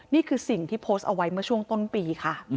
นี่คือสิ่งที่โพสต์เอาไว้เมื่อช่วงต้นปีค่ะ